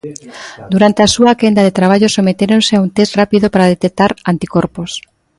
Durante a súa quenda de traballo sometéronse a un test rápido para detectar anticorpos.